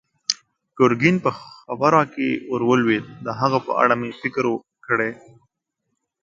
ګرګين په خبره کې ور ولوېد: د هغه په اړه مې فکر کړی.